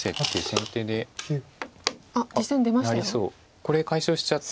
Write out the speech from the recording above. これ解消しちゃって。